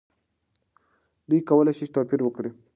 دوی کولی شي توپیر وکړي.